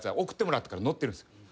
送ってもらったから乗ってるんですよ。